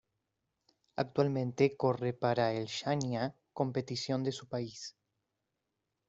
Actualmente corre para el Shania Competición de su país.